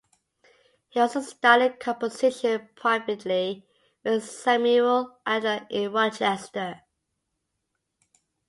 He also studied composition privately with Samuel Adler in Rochester.